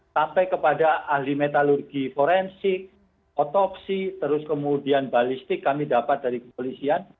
sampai kepada ahli metalurgi forensik otopsi terus kemudian balistik kami dapat dari kepolisian